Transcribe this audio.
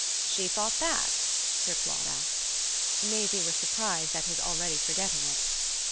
"She thought that?" Sir Claude asked. Maisie was surprised at his already forgetting it.